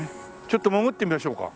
ちょっと潜ってみましょうか？